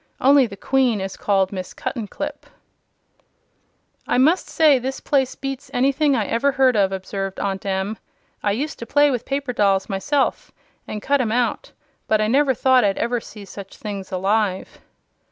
Only the Queen is called Miss Cuttenclip." "I must say that this place beats anything I ever heard of," observed Aunt Em. "I used to play with paper dolls myself, an' cut 'em out; but I never thought I'd ever see such things alive."